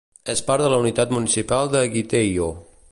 És part de la unitat municipal de Gytheio.